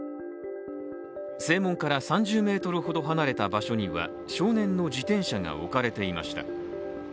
正門から３０ｍほど離れた場所には少年の自転車が置かれていました。